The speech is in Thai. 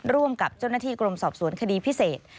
ร่วมกับเจ้าหน้าที่กรมสอบสวนคดีพิเศษ